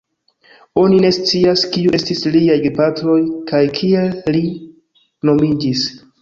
Oni ne scias kiu estis liaj gepatroj kaj kiel li nomiĝis.